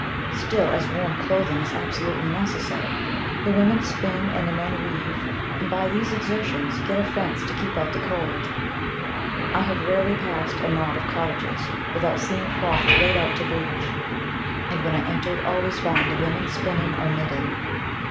Still as warm clothing is absolutely necessary, the women spin and the men weave, and by these exertions get a fence to keep out the cold. I have rarely passed a knot of cottages without seeing cloth laid out to bleach, and when I entered, always found the women spinning or knitting.